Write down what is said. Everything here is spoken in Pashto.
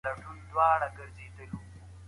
که یو څوک بل غولولای سي نو غولوي یې.